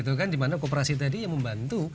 dimana kooperasi tadi yang membantu